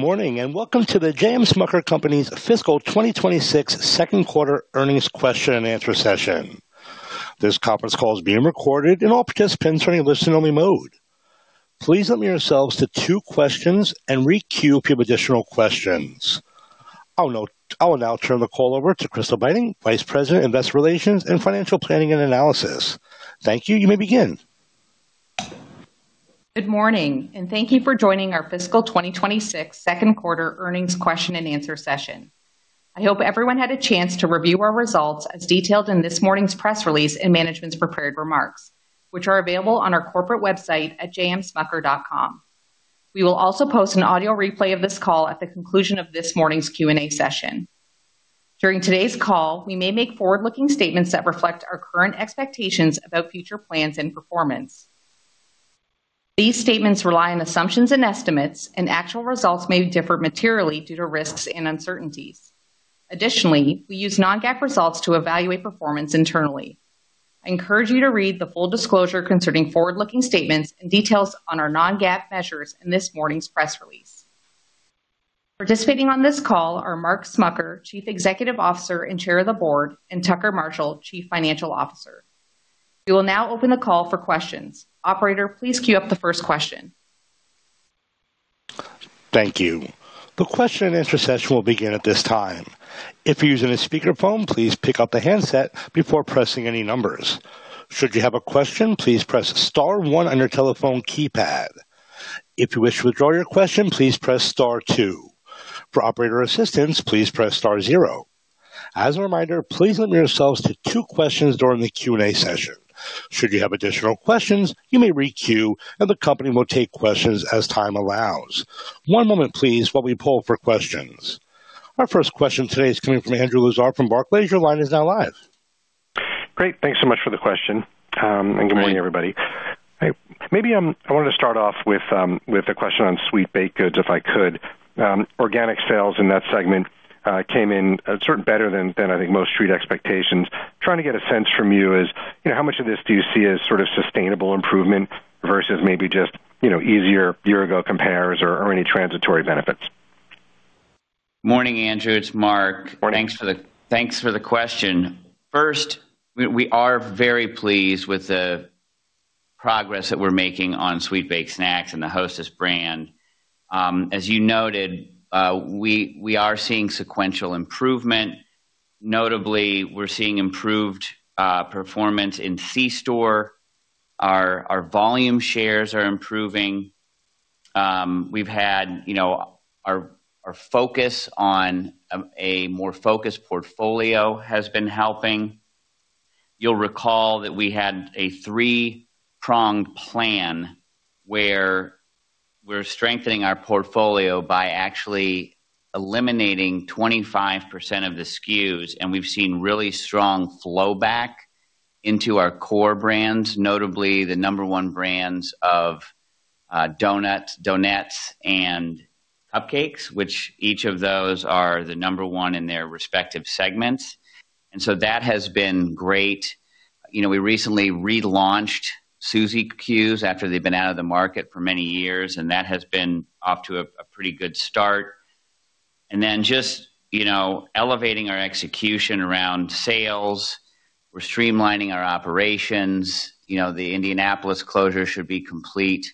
Good morning and welcome to the J.M. Smucker Company's fiscal 2026 second quarter earnings question and answer session. This conference call is being recorded, and all participants are in a listen-only mode. Please limit yourselves to two questions and re-queue a few additional questions. I will now turn the call over to Crystal Beiting, Vice President, Investor Relations and Financial Planning and Analysis. Thank you. You may begin. Good morning, and thank you for joining our fiscal 2026 second quarter earnings question and answer session. I hope everyone had a chance to review our results as detailed in this morning's press release and management's prepared remarks, which are available on our corporate website at jmsmucker.com. We will also post an audio replay of this call at the conclusion of this morning's Q&A session. During today's call, we may make forward-looking statements that reflect our current expectations about future plans and performance. These statements rely on assumptions and estimates, and actual results may differ materially due to risks and uncertainties. Additionally, we use non-GAAP results to evaluate performance internally. I encourage you to read the full disclosure concerning forward-looking statements and details on our non-GAAP measures in this morning's press release. Participating on this call are Mark Smucker, Chief Executive Officer and Chair of the Board, and Tucker Marshall, Chief Financial Officer. We will now open the call for questions. Operator, please queue up the first question. Thank you. The question and answer session will begin at this time. If you're using a speakerphone, please pick up the handset before pressing any numbers. Should you have a question, please press Star 1 on your telephone keypad. If you wish to withdraw your question, please press Star 2. For operator assistance, please press Star 0. As a reminder, please limit yourselves to two questions during the Q&A session. Should you have additional questions, you may re-queue, and the company will take questions as time allows. One moment, please, while we pull up our questions. Our first question today is coming from Andrew Lazar from Barclays. Your line is now live. Great. Thanks so much for the question. Good morning, everybody. Maybe I wanted to start off with a question on sweet baked goods, if I could. Organic sales in that segment came in certainly better than I think most street expectations. Trying to get a sense from you is how much of this do you see as sort of sustainable improvement versus maybe just easier year-ago compares or any transitory benefits? Morning, Andrew. It's Mark. Thanks for the question. First, we are very pleased with the progress that we're making on sweet baked snacks and the Hostess brand. As you noted, we are seeing sequential improvement. Notably, we're seeing improved performance in C-Store. Our volume shares are improving. Our focus on a more focused portfolio has been helping. You'll recall that we had a three-pronged plan where we're strengthening our portfolio by actually eliminating 25% of the SKUs, and we've seen really strong flow back into our core brands, notably the number one brands of donuts and cupcakes, which each of those are the number one in their respective segments. That has been great. We recently relaunched Susie Q's after they've been out of the market for many years, and that has been off to a pretty good start. Just elevating our execution around sales. We're streamlining our operations. The Indianapolis closure should be complete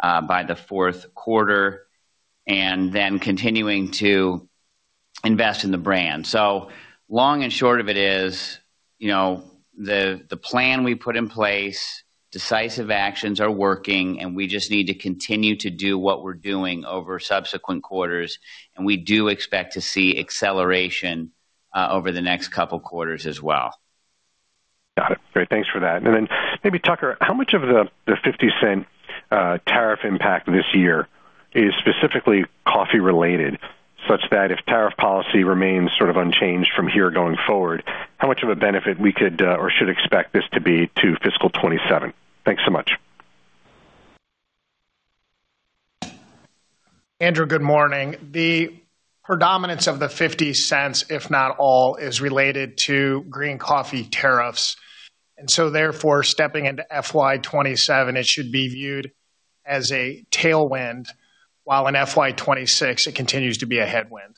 by the fourth quarter, and continuing to invest in the brand. Long and short of it is, the plan we put in place, decisive actions are working, and we just need to continue to do what we're doing over subsequent quarters. We do expect to see acceleration over the next couple of quarters as well. Got it. Great. Thanks for that. Maybe, Tucker, how much of the $0.50 tariff impact this year is specifically coffee-related, such that if tariff policy remains sort of unchanged from here going forward, how much of a benefit we could or should expect this to be to fiscal 2027? Thanks so much. Andrew, good morning. The predominance of the 50 cents, if not all, is related to green coffee tariffs. Therefore, stepping into FY 2027, it should be viewed as a tailwind, while in FY 2026, it continues to be a headwind.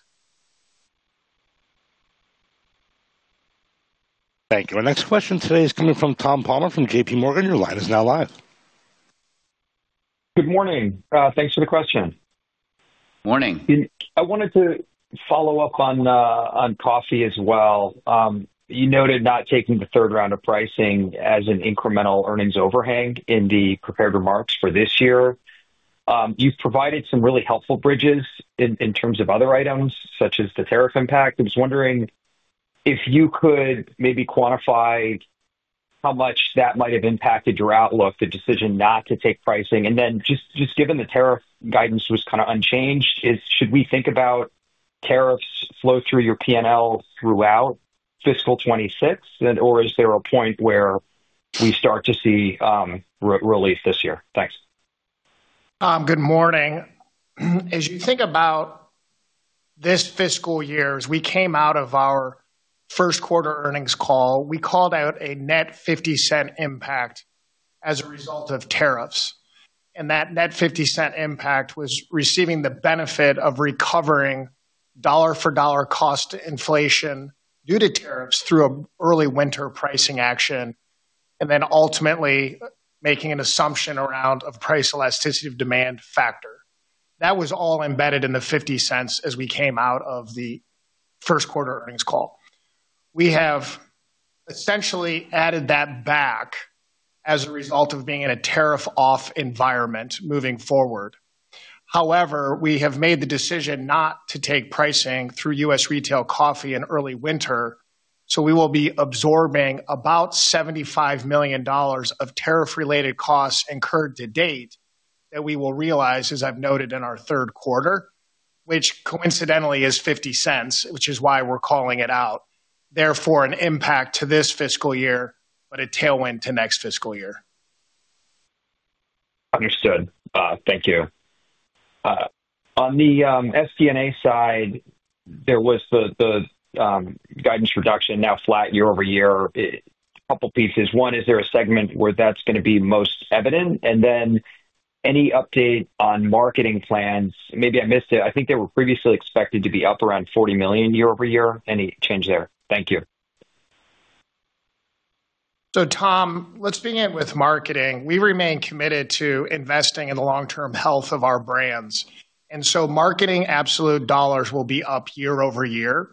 Thank you. Our next question today is coming from Tom Palmer from JPMorgan. Your line is now live. Good morning. Thanks for the question. Morning. I wanted to follow up on coffee as well. You noted not taking the third round of pricing as an incremental earnings overhang in the prepared remarks for this year. You've provided some really helpful bridges in terms of other items, such as the tariff impact. I was wondering if you could maybe quantify how much that might have impacted your outlook, the decision not to take pricing. Just given the tariff guidance was kind of unchanged, should we think about tariffs flow through your P&L throughout fiscal 2026, or is there a point where we start to see relief this year? Thanks. Tom, good morning. As you think about this fiscal year, as we came out of our first quarter earnings call, we called out a net $0.50 impact as a result of tariffs. That net $0.50 impact was receiving the benefit of recovering dollar-for-dollar cost inflation due to tariffs through an early winter pricing action, and then ultimately making an assumption around a price elasticity of demand factor. That was all embedded in the $0.50 as we came out of the first quarter earnings call. We have essentially added that back as a result of being in a tariff-off environment moving forward. However, we have made the decision not to take pricing through U.S. Retail coffee in early winter, so we will be absorbing about $75 million of tariff-related costs incurred to date that we will realize, as I've noted, in our third quarter, which coincidentally is $0.50, which is why we're calling it out. Therefore, an impact to this fiscal year, but a tailwind to next fiscal year. Understood. Thank you. On the SG&A side, there was the guidance reduction, now flat year-over-year. A couple of pieces. One, is there a segment where that's going to be most evident? Any update on marketing plans? Maybe I missed it. I think they were previously expected to be up around $40 million year-over-year. Any change there? Thank you. Tom, let's begin with marketing. We remain committed to investing in the long-term health of our brands. Marketing absolute dollars will be up year-over-year,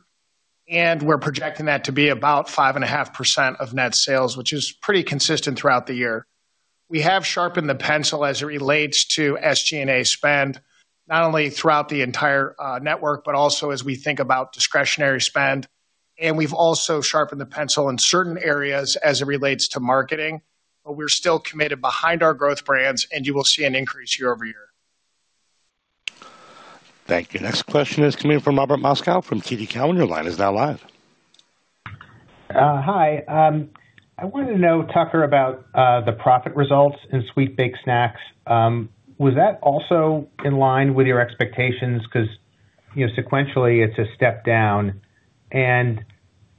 and we're projecting that to be about 5.5% of net sales, which is pretty consistent throughout the year. We have sharpened the pencil as it relates to SG&A spend, not only throughout the entire network, but also as we think about discretionary spend. We have also sharpened the pencil in certain areas as it relates to marketing, but we're still committed behind our growth brands, and you will see an increase year-over-year. Thank you. Next question is coming from Robert Moskow from TD Cowen. Your line is now live. Hi. I wanted to know, Tucker, about the profit results in sweet baked snacks. Was that also in line with your expectations? Because sequentially, it's a step down.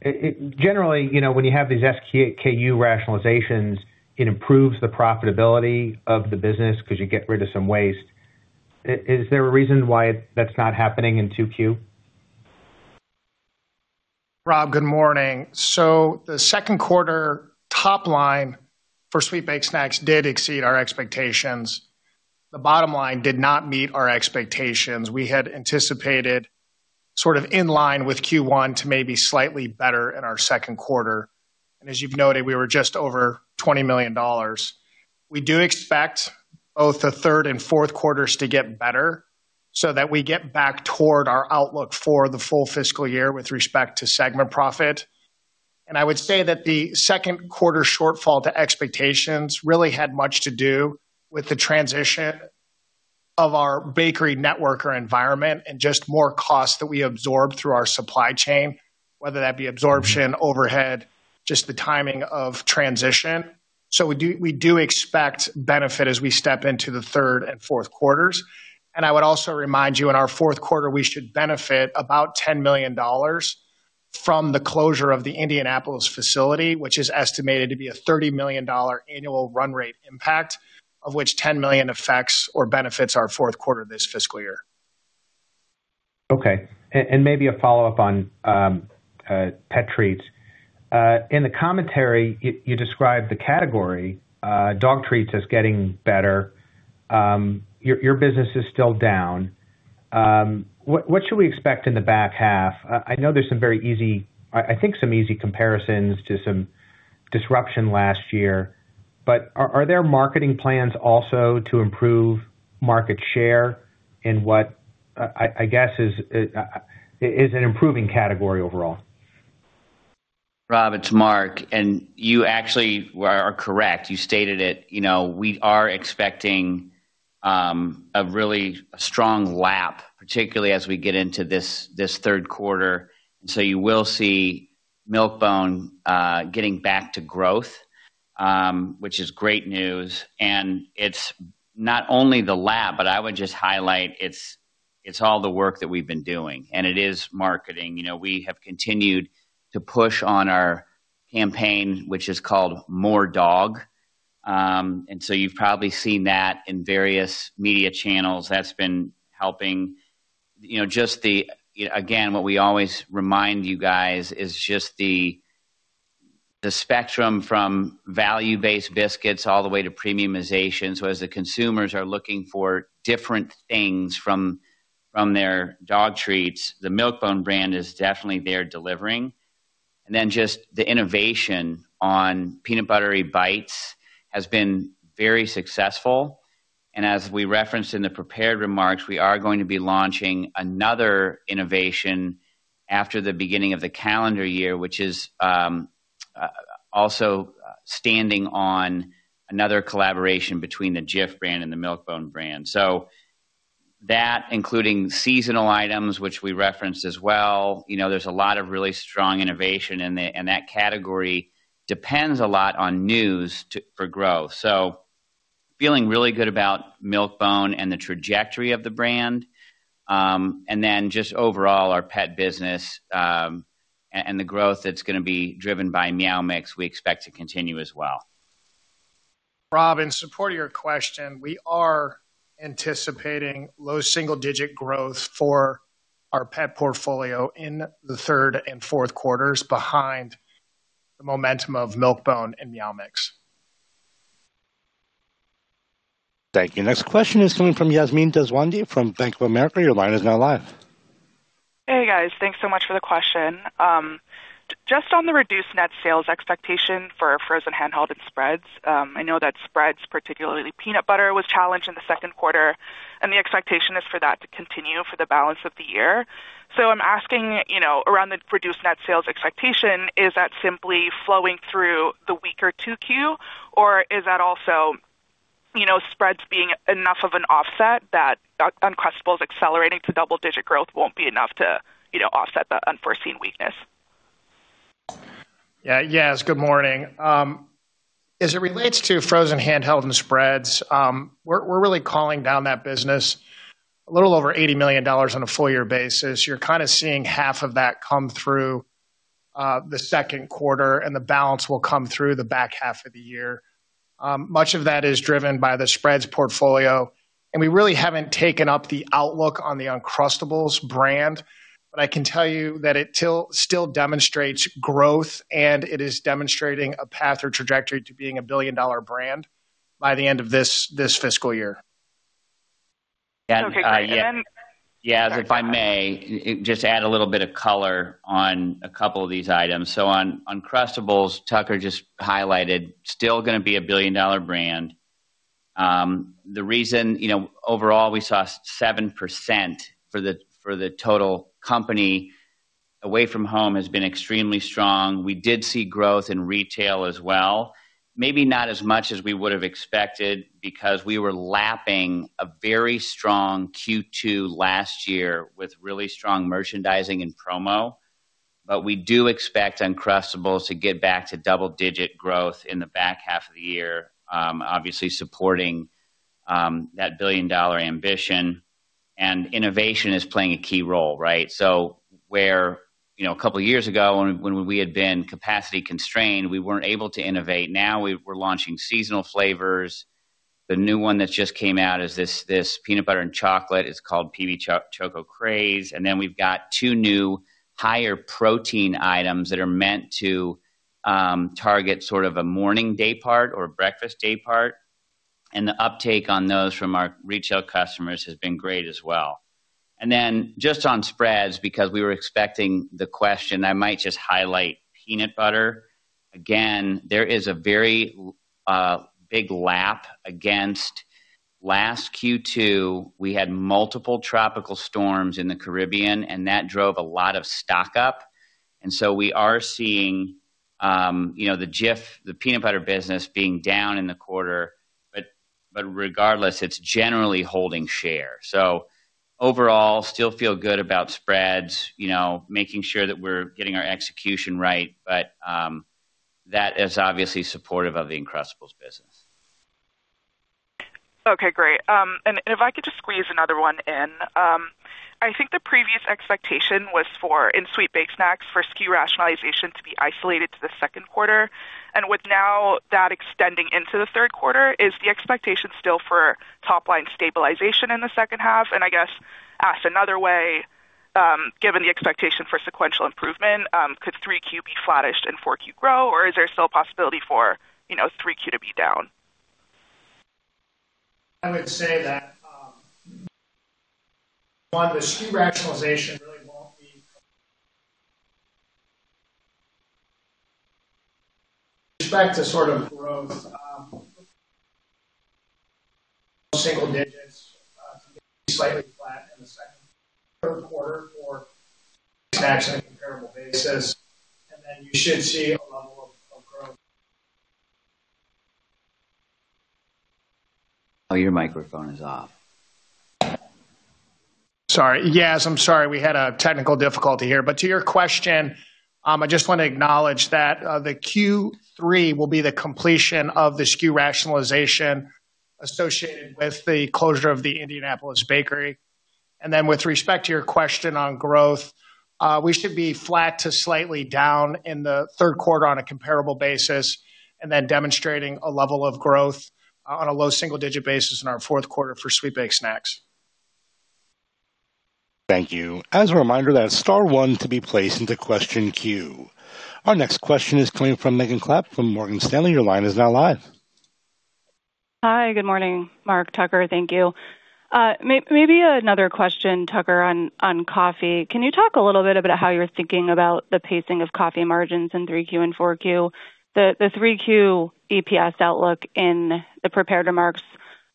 Generally, when you have these SKU rationalizations, it improves the profitability of the business because you get rid of some waste. Is there a reason why that's not happening in 2Q? Rob, good morning. The second quarter top line for sweet baked snacks did exceed our expectations. The bottom line did not meet our expectations. We had anticipated sort of in line with Q1 to maybe slightly better in our second quarter. As you have noted, we were just over $20 million. We do expect both the third and fourth quarters to get better so that we get back toward our outlook for the full fiscal year with respect to segment profit. I would say that the second quarter shortfall to expectations really had much to do with the transition of our bakery network or environment and just more costs that we absorbed through our supply chain, whether that be absorption, overhead, just the timing of transition. We do expect benefit as we step into the third and fourth quarters. I would also remind you, in our fourth quarter, we should benefit about $10 million from the closure of the Indianapolis facility, which is estimated to be a $30 million annual run rate impact, of which $10 million affects or benefits our fourth quarter this fiscal year. Okay. Maybe a follow-up on pet treats. In the commentary, you described the category dog treats as getting better. Your business is still down. What should we expect in the back half? I know there are some very easy, I think some easy comparisons to some disruption last year, but are there marketing plans also to improve market share in what I guess is an improving category overall? Rob, it's Mark. You actually are correct. You stated it. We are expecting a really strong lap, particularly as we get into this third quarter. You will see Milk-Bone getting back to growth, which is great news. It is not only the lap, but I would just highlight it is all the work that we have been doing. It is marketing. We have continued to push on our campaign, which is called More Dog. You have probably seen that in various media channels. That has been helping. What we always remind you guys is just the spectrum from value-based biscuits all the way to premiumization. As the consumers are looking for different things from their dog treats, the Milk-Bone brand is definitely there delivering. The innovation on Peanut Buttery Bites has been very successful. As we referenced in the prepared remarks, we are going to be launching another innovation after the beginning of the calendar year, which is also standing on another collaboration between the Jif brand and the Milk-Bone brand. That, including seasonal items, which we referenced as well, there is a lot of really strong innovation in that category, depends a lot on news for growth. Feeling really good about Milk-Bone and the trajectory of the brand. Just overall, our pet business and the growth that is going to be driven by Meow Mix, we expect to continue as well. Rob, in support of your question, we are anticipating low single-digit growth for our pet portfolio in the third and fourth quarters behind the momentum of Milk-Bone and Meow Mix. Thank you. Next question is coming from Yasmine Deswandhy from Bank of America. Your line is now live. Hey, guys. Thanks so much for the question. Just on the reduced net sales expectation for frozen handheld and spreads, I know that spreads, particularly peanut butter, was challenged in the second quarter, and the expectation is for that to continue for the balance of the year. I am asking around the reduced net sales expectation, is that simply flowing through the weaker 2Q, or is that also spreads being enough of an offset that Uncrustables accelerating to double-digit growth will not be enough to offset the unforeseen weakness? Yeah. Yes. Good morning. As it relates to frozen handheld and spreads, we're really calling down that business a little over $80 million on a full-year basis. You're kind of seeing half of that come through the second quarter, and the balance will come through the back half of the year. Much of that is driven by the spreads portfolio. We really haven't taken up the outlook on the Uncrustables brand, but I can tell you that it still demonstrates growth, and it is demonstrating a path or trajectory to being a billion-dollar brand by the end of this fiscal year. Yeah. Yes. If I may, just add a little bit of color on a couple of these items. On Uncrustables, Tucker just highlighted, still going to be a billion-dollar brand. The reason overall we saw 7% for the total company away from home has been extremely strong. We did see growth in retail as well. Maybe not as much as we would have expected because we were lapping a very strong Q2 last year with really strong merchandising and promo. We do expect Uncrustables to get back to double-digit growth in the back half of the year, obviously supporting that billion-dollar ambition. Innovation is playing a key role, right? Where a couple of years ago, when we had been capacity constrained, we were not able to innovate, now we are launching seasonal flavors. The new one that just came out is this peanut butter and chocolate. It's called PB Choco Craze. We have two new higher protein items that are meant to target sort of a morning day part or breakfast day part. The uptake on those from our retail customers has been great as well. Just on spreads, because we were expecting the question, I might just highlight peanut butter. There is a very big lap against last Q2. We had multiple tropical storms in the Caribbean, and that drove a lot of stock up. We are seeing the Jif, the peanut butter business being down in the quarter. Regardless, it is generally holding share. Overall, still feel good about spreads, making sure that we're getting our execution right, but that is obviously supportive of the Uncrustables business. Okay. Great. If I could just squeeze another one in, I think the previous expectation was for in sweet baked snacks for SKU rationalization to be isolated to the second quarter. With now that extending into the third quarter, is the expectation still for top line stabilization in the second half? I guess asked another way, given the expectation for sequential improvement, could 3Q be flattish and 4Q grow, or is there still a possibility for 3Q to be down? I would say that, one, the SKU rationalization really won't be with respect to sort of growth, single digits to be slightly flat in the second quarter for snacks on a comparable basis. And then you should see a level of growth. Oh, your microphone is off. Sorry. Yes. I'm sorry. We had a technical difficulty here. To your question, I just want to acknowledge that Q3 will be the completion of the SKU rationalization associated with the closure of the Indianapolis bakery. With respect to your question on growth, we should be flat to slightly down in the third quarter on a comparable basis, and then demonstrating a level of growth on a low single-digit basis in our fourth quarter for sweet baked snacks. Thank you. As a reminder, that is star one to be placed into question queue. Our next question is coming from Megan Clapp from Morgan Stanley. Your line is now live. Hi. Good morning, Mark, Tucker. Thank you. Maybe another question, Tucker, on coffee. Can you talk a little bit about how you're thinking about the pacing of coffee margins in 3Q and 4Q? The 3Q EPS outlook in the prepared remarks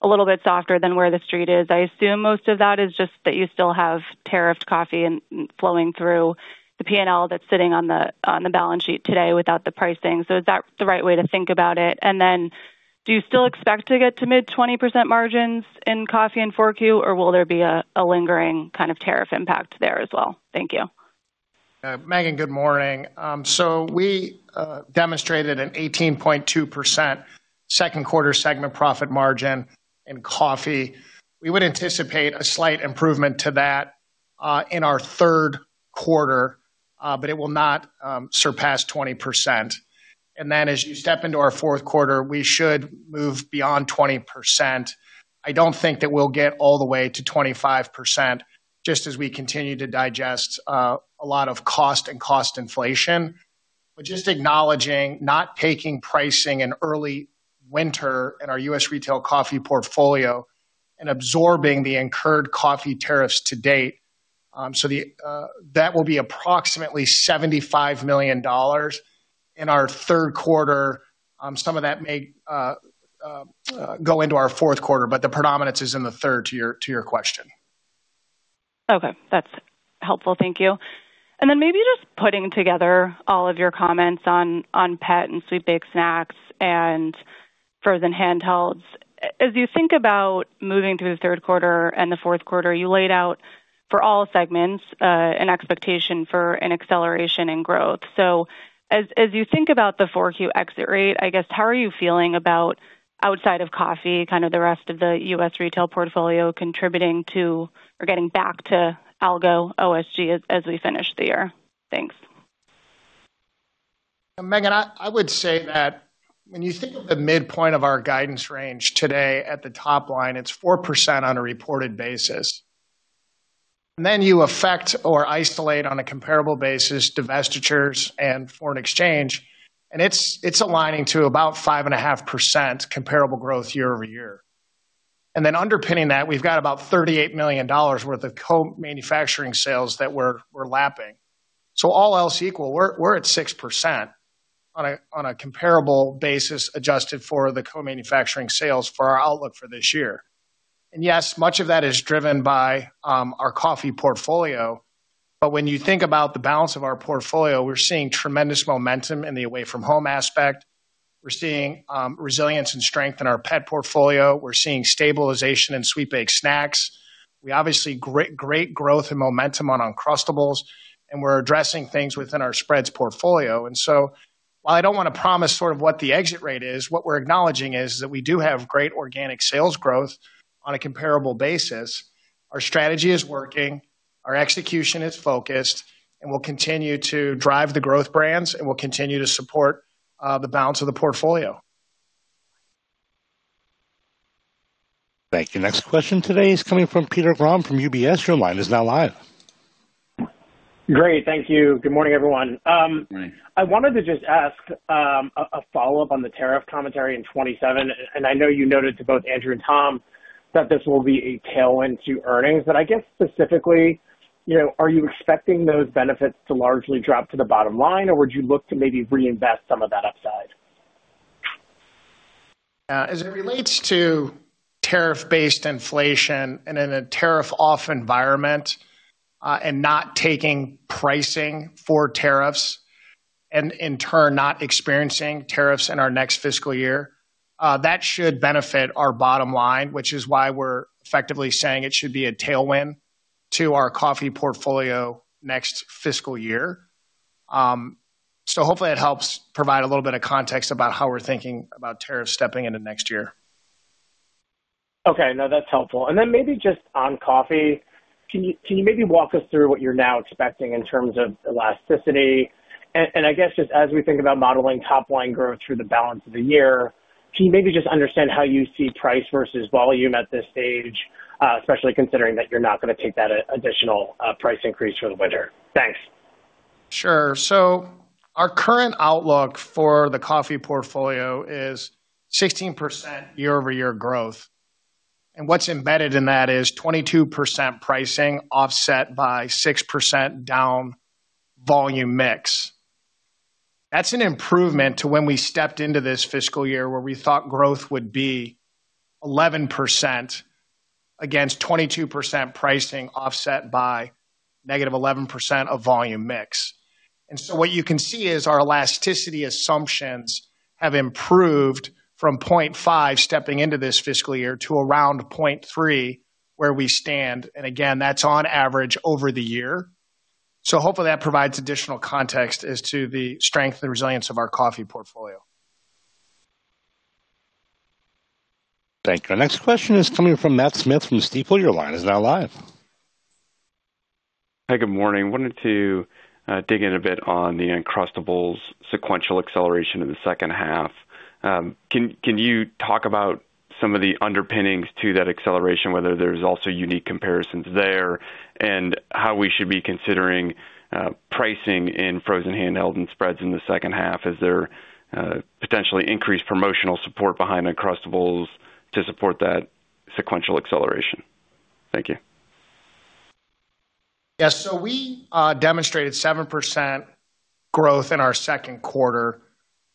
a little bit softer than where the street is. I assume most of that is just that you still have tariffed coffee flowing through the P&L that's sitting on the balance sheet today without the pricing. Is that the right way to think about it? Do you still expect to get to mid-20% margins in coffee in 4Q, or will there be a lingering kind of tariff impact there as well? Thank you. Megan, good morning. We demonstrated an 18.2% second quarter segment profit margin in coffee. We would anticipate a slight improvement to that in our third quarter, but it will not surpass 20%. As you step into our fourth quarter, we should move beyond 20%. I do not think that we will get all the way to 25% just as we continue to digest a lot of cost and cost inflation. Just acknowledging not taking pricing in early winter in our U.S. retail coffee portfolio and absorbing the incurred coffee tariffs to date. That will be approximately $75 million in our third quarter. Some of that may go into our fourth quarter, but the predominance is in the third to your question. Okay. That's helpful. Thank you. Maybe just putting together all of your comments on pet and sweet baked snacks and frozen handhelds. As you think about moving through the third quarter and the fourth quarter, you laid out for all segments an expectation for an acceleration in growth. As you think about the 4Q exit rate, I guess how are you feeling about outside of coffee, kind of the rest of the U.S. retail portfolio contributing to or getting back to Algo, OSG as we finish the year? Thanks. Megan, I would say that when you think of the midpoint of our guidance range today at the top line, it's 4% on a reported basis. You affect or isolate on a comparable basis divestitures and foreign exchange, and it's aligning to about 5.5% comparable growth year over year. Underpinning that, we've got about $38 million worth of co-manufacturing sales that we're lapping. All else equal, we're at 6% on a comparable basis adjusted for the co-manufacturing sales for our outlook for this year. Yes, much of that is driven by our coffee portfolio. When you think about the balance of our portfolio, we're seeing tremendous momentum in the away from home aspect. We're seeing resilience and strength in our pet portfolio. We're seeing stabilization in sweet baked snacks. We obviously have great growth and momentum on Uncrustables, and we're addressing things within our spreads portfolio. While I don't want to promise sort of what the exit rate is, what we're acknowledging is that we do have great organic sales growth on a comparable basis. Our strategy is working. Our execution is focused, and we'll continue to drive the growth brands, and we'll continue to support the balance of the portfolio. Thank you. Next question today is coming from Peter Graham from UBS. Your line is now live. Great. Thank you. Good morning, everyone. I wanted to just ask a follow-up on the tariff commentary in 2027. I know you noted to both Andrew and Tom that this will be a tailwind to earnings. I guess specifically, are you expecting those benefits to largely drop to the bottom line, or would you look to maybe reinvest some of that upside? As it relates to tariff-based inflation and in a tariff-off environment and not taking pricing for tariffs and in turn not experiencing tariffs in our next fiscal year, that should benefit our bottom line, which is why we're effectively saying it should be a tailwind to our coffee portfolio next fiscal year. Hopefully it helps provide a little bit of context about how we're thinking about tariffs stepping into next year. Okay. No, that's helpful. Maybe just on coffee, can you maybe walk us through what you're now expecting in terms of elasticity? I guess just as we think about modeling top-line growth through the balance of the year, can you maybe just understand how you see price versus volume at this stage, especially considering that you're not going to take that additional price increase for the winter? Thanks. Sure. Our current outlook for the coffee portfolio is 16% year-over-year growth. What's embedded in that is 22% pricing offset by 6% down volume mix. That's an improvement to when we stepped into this fiscal year where we thought growth would be 11% against 22% pricing offset by negative 11% of volume mix. What you can see is our elasticity assumptions have improved from 0.5 stepping into this fiscal year to around 0.3 where we stand. Again, that's on average over the year. Hopefully that provides additional context as to the strength and resilience of our coffee portfolio. Thank you. Next question is coming from Matt Smith from Stifel, your line. He's now live. Hi. Good morning. Wanted to dig in a bit on the Uncrustables sequential acceleration in the second half. Can you talk about some of the underpinnings to that acceleration, whether there's also unique comparisons there, and how we should be considering pricing in frozen handheld and spreads in the second half? Is there potentially increased promotional support behind Uncrustables to support that sequential acceleration? Thank you. Yes. We demonstrated 7% growth in our second quarter,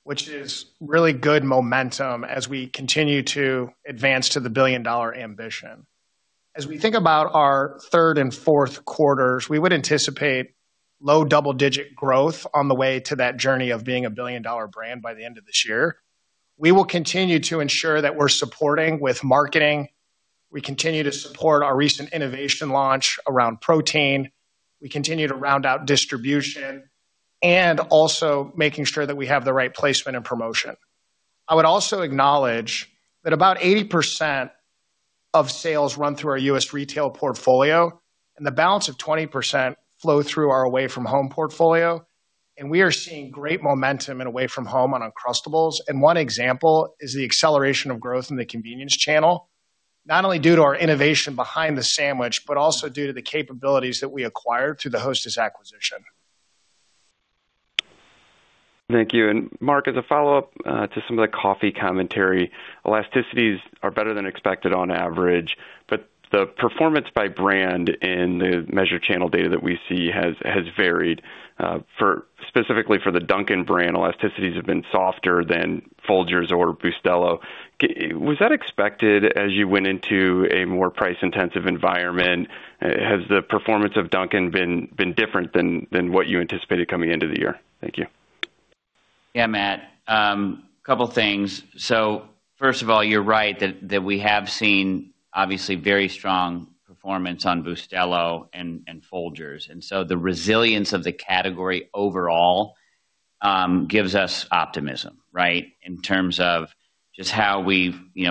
which is really good momentum as we continue to advance to the billion-dollar ambition. As we think about our third and fourth quarters, we would anticipate low double-digit growth on the way to that journey of being a billion-dollar brand by the end of this year. We will continue to ensure that we're supporting with marketing. We continue to support our recent innovation launch around protein. We continue to round out distribution and also making sure that we have the right placement and promotion. I would also acknowledge that about 80% of sales run through our U.S. retail portfolio, and the balance of 20% flow through our away from home portfolio. We are seeing great momentum in away from home on Uncrustables. One example is the acceleration of growth in the convenience channel, not only due to our innovation behind the sandwich, but also due to the capabilities that we acquired through the Hostess acquisition. Thank you. Mark, as a follow-up to some of the coffee commentary, elasticities are better than expected on average. The performance by brand in the measure channel data that we see has varied. Specifically for the Dunkin' brand, elasticities have been softer than Folgers or Bustelo. Was that expected as you went into a more price-intensive environment? Has the performance of Dunkin' been different than what you anticipated coming into the year? Thank you. Yeah, Matt. A couple of things. First of all, you're right that we have seen obviously very strong performance on Bustelo and Folgers. The resilience of the category overall gives us optimism, right, in terms of just how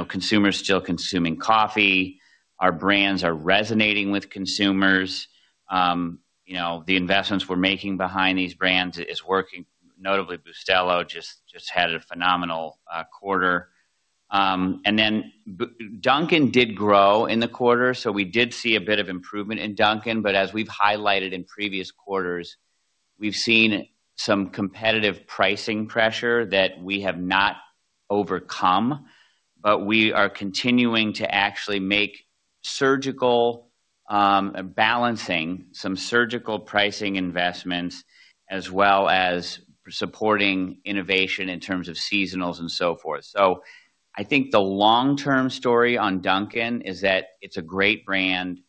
consumers are still consuming coffee. Our brands are resonating with consumers. The investments we're making behind these brands is working. Notably, Bustelo just had a phenomenal quarter. Dunkin' did grow in the quarter. We did see a bit of improvement in Dunkin'. As we've highlighted in previous quarters, we've seen some competitive pricing pressure that we have not overcome. We are continuing to actually make surgical balancing, some surgical pricing investments, as well as supporting innovation in terms of seasonals and so forth. I think the long-term story on Dunkin' is that it's a great brand.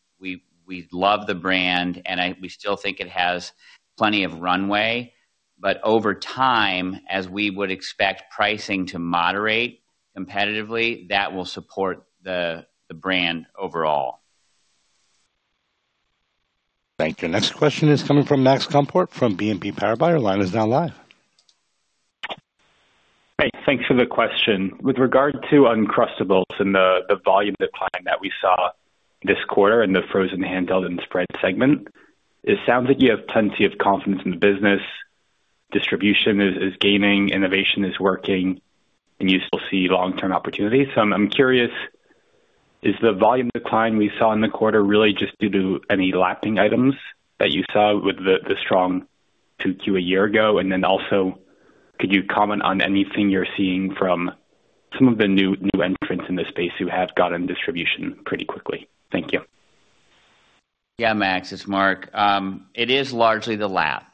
We love the brand, and we still think it has plenty of runway. Over time, as we would expect pricing to moderate competitively, that will support the brand overall. Thank you. Next question is coming from Max Gumport from BNP Paribas. Your line is now live. Great. Thanks for the question. With regard to Uncrustables and the volume decline that we saw this quarter in the frozen handheld and spread segment, it sounds like you have plenty of confidence in the business. Distribution is gaining. Innovation is working. You still see long-term opportunities. I am curious, is the volume decline we saw in the quarter really just due to any lapping items that you saw with the strong 2Q a year ago? Could you comment on anything you are seeing from some of the new entrants in this space who have gotten distribution pretty quickly? Thank you. Yeah, Max. It's Mark. It is largely the lap.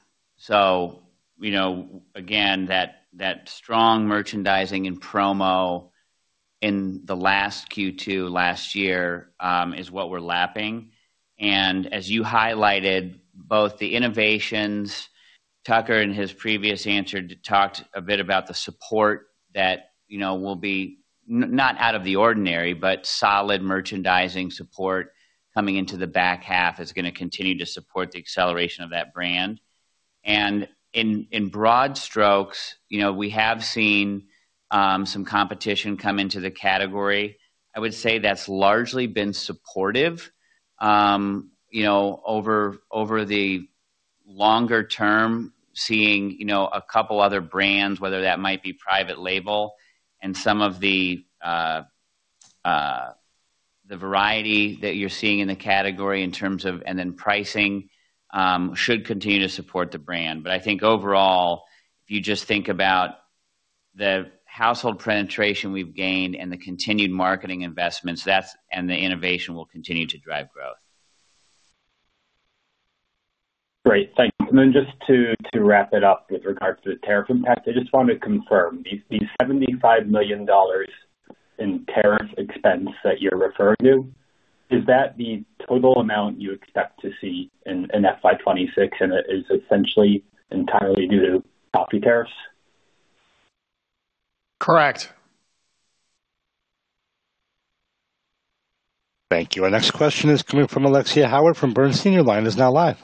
Again, that strong merchandising and promo in the last Q2 last year is what we're lapping. As you highlighted, both the innovations, Tucker in his previous answer talked a bit about the support that will be not out of the ordinary, but solid merchandising support coming into the back half is going to continue to support the acceleration of that brand. In broad strokes, we have seen some competition come into the category. I would say that's largely been supportive over the longer term, seeing a couple of other brands, whether that might be private label and some of the variety that you're seeing in the category in terms of, and then pricing should continue to support the brand. I think overall, if you just think about the household penetration we've gained and the continued marketing investments, that's and the innovation will continue to drive growth. Great. Thanks. Just to wrap it up with regard to the tariff impact, I just want to confirm these $75 million in tariff expense that you're referring to, is that the total amount you expect to see in FY 2026, and it is essentially entirely due to coffee tariffs? Correct. Thank you. Our next question is coming from Alexia Howard from Bernstein. Your line is now live.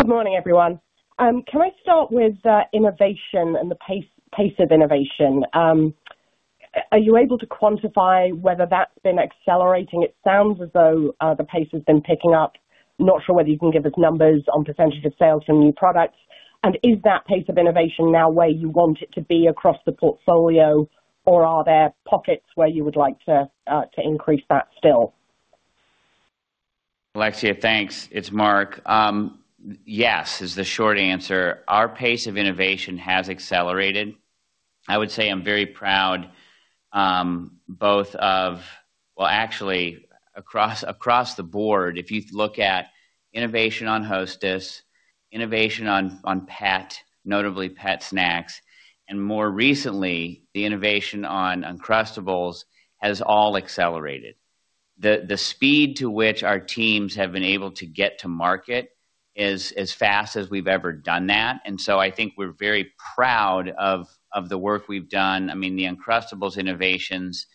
Good morning, everyone. Can I start with innovation and the pace of innovation? Are you able to quantify whether that's been accelerating? It sounds as though the pace has been picking up. Not sure whether you can give us numbers on percentage of sales from new products. Is that pace of innovation now where you want it to be across the portfolio, or are there pockets where you would like to increase that still? Alexia, thanks. It's Mark. Yes, is the short answer. Our pace of innovation has accelerated. I would say I'm very proud both of, well, actually, across the board, if you look at innovation on Hostess, innovation on pet, notably pet snacks, and more recently, the innovation on Uncrustables has all accelerated. The speed to which our teams have been able to get to market is as fast as we've ever done that. I think we're very proud of the work we've done. I mean, the Uncrustables innovations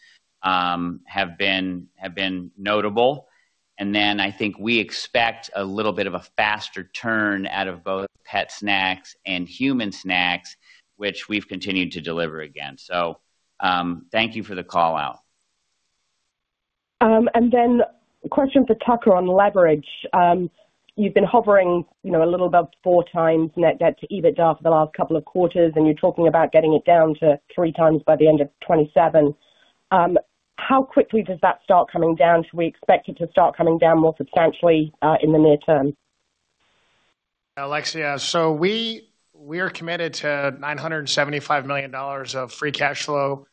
have been notable. I think we expect a little bit of a faster turn out of both pet snacks and human snacks, which we've continued to deliver again. Thank you for the call out. Question for Tucker on leverage. You've been hovering a little above four times net debt to EBITDA for the last couple of quarters, and you're talking about getting it down to three times by the end of 2027. How quickly does that start coming down? Should we expect it to start coming down more substantially in the near term? Alexia, we are committed to $975 million of free cash flow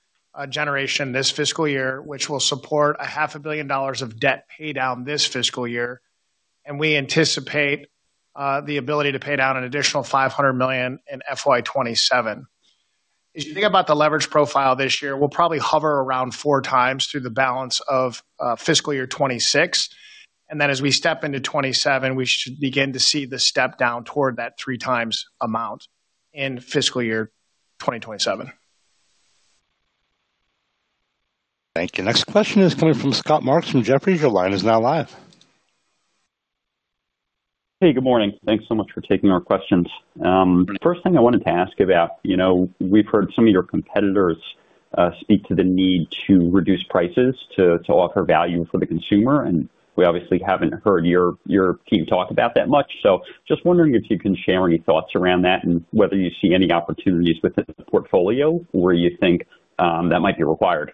generation this fiscal year, which will support $500 million of debt paid out this fiscal year. We anticipate the ability to pay down an additional $500 million in fiscal year 2027. As you think about the leverage profile this year, we'll probably hover around four times through the balance of fiscal year 2026. As we step into 2027, we should begin to see the step down toward that three times amount in fiscal year 2027. Thank you. Next question is coming from Scott Marks from Jefferies. Your line is now live. Hey, good morning. Thanks so much for taking our questions. First thing I wanted to ask about, we've heard some of your competitors speak to the need to reduce prices to offer value for the consumer. We obviously haven't heard your team talk about that much. Just wondering if you can share any thoughts around that and whether you see any opportunities within the portfolio where you think that might be required.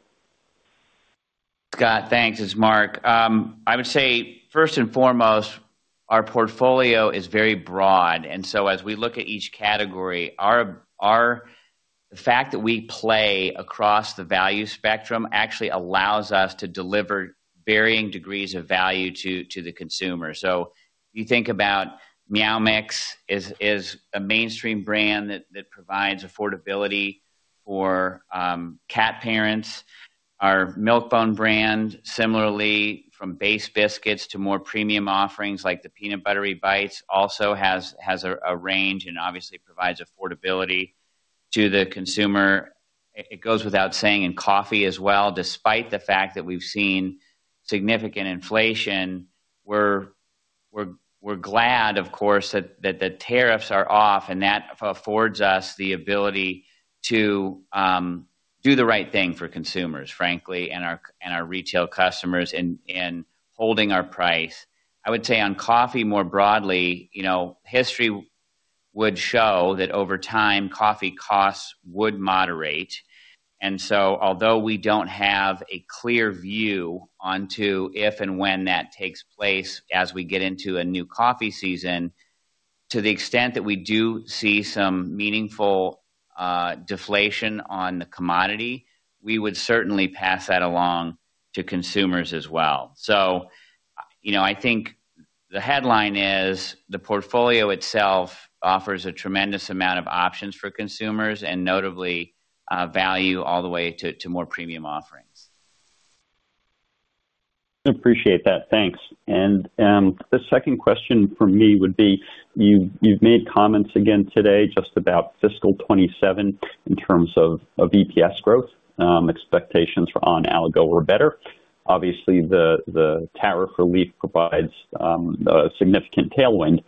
Scott, thanks. It's Mark. I would say first and foremost, our portfolio is very broad. As we look at each category, the fact that we play across the value spectrum actually allows us to deliver varying degrees of value to the consumer. You think about Meow Mix as a mainstream brand that provides affordability for cat parents. Our Milk-Bone brand, similarly, from base biscuits to more premium offerings like the Peanut Buttery Bites, also has a range and obviously provides affordability to the consumer. It goes without saying in coffee as well, despite the fact that we've seen significant inflation, we're glad, of course, that the tariffs are off, and that affords us the ability to do the right thing for consumers, frankly, and our retail customers in holding our price. I would say on coffee more broadly, history would show that over time, coffee costs would moderate. Although we do not have a clear view onto if and when that takes place as we get into a new coffee season, to the extent that we do see some meaningful deflation on the commodity, we would certainly pass that along to consumers as well. I think the headline is the portfolio itself offers a tremendous amount of options for consumers and notably value all the way to more premium offerings. Appreciate that. Thanks. The second question for me would be, you've made comments again today just about fiscal 2027 in terms of EPS growth. Expectations for on algo were better. Obviously, the tariff relief provides a significant tailwind.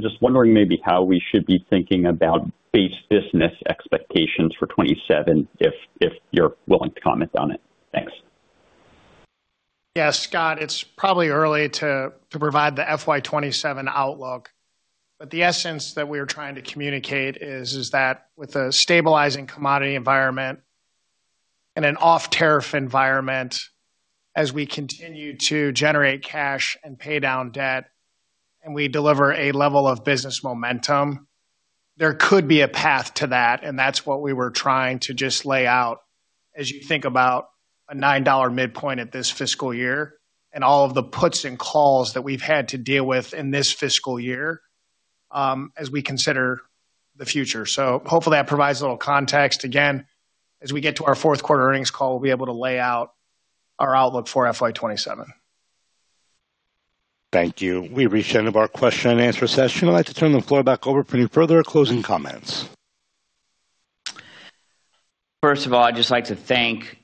Just wondering maybe how we should be thinking about base business expectations for 2027 if you're willing to comment on it. Thanks. Yeah, Scott, it's probably early to provide the FY 2027 outlook. The essence that we are trying to communicate is that with a stabilizing commodity environment and an off-tariff environment, as we continue to generate cash and pay down debt and we deliver a level of business momentum, there could be a path to that. That is what we were trying to just lay out as you think about a $9 midpoint at this fiscal year and all of the puts and calls that we've had to deal with in this fiscal year as we consider the future. Hopefully that provides a little context. Again, as we get to our fourth quarter earnings call, we'll be able to lay out our outlook for FY 2027. Thank you. We reached the end of our question and answer session. I'd like to turn the floor back over for any further closing comments. First of all, I'd just like to thank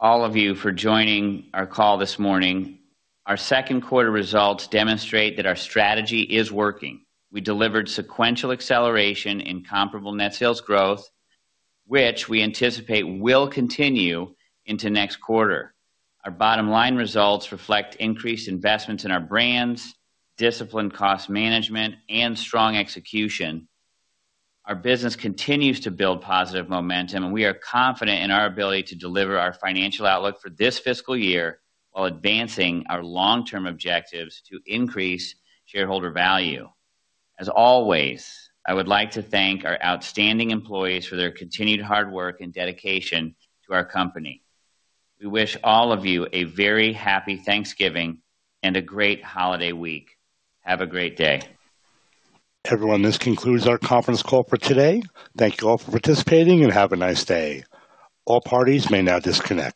all of you for joining our call this morning. Our second quarter results demonstrate that our strategy is working. We delivered sequential acceleration in comparable net sales growth, which we anticipate will continue into next quarter. Our bottom line results reflect increased investments in our brands, disciplined cost management, and strong execution. Our business continues to build positive momentum, and we are confident in our ability to deliver our financial outlook for this fiscal year while advancing our long-term objectives to increase shareholder value. As always, I would like to thank our outstanding employees for their continued hard work and dedication to our company. We wish all of you a very happy Thanksgiving and a great holiday week. Have a great day. Everyone, this concludes our conference call for today. Thank you all for participating and have a nice day. All parties may now disconnect.